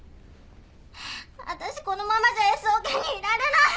わたしこのままじゃＳオケにいられない！